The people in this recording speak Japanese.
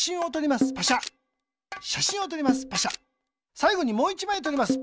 さいごにもう１まいとります。